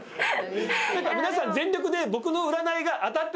皆さん全力で僕の占いが。